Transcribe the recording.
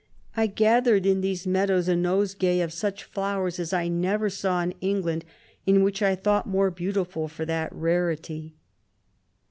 I gathered in these meadows a nosegay of 127 such flowers as I never saw in Eng land, and which I thought more beau tiful for that rarity.